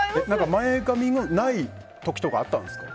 前髪のない時とかあったんですか？